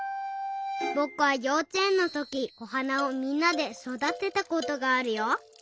ぼくはようちえんのときおはなをみんなでそだてたことがあるよ。